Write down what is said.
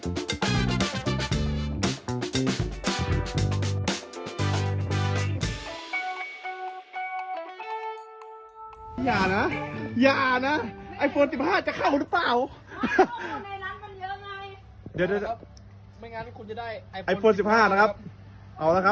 เห้ยมันมันไปไม่ไม่ขาดนะ